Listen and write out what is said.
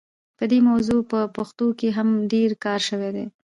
په دې موضوع په پښتو کې هم ډېر کار شوی دی.